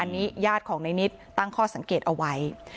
อันนี้ญาติของในนิดตั้งข้อสังเกตเอาไว้